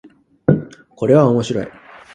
これは面白い